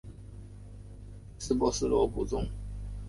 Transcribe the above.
司珀斯古罗马宗教和神话中职司希望的女性神只之一。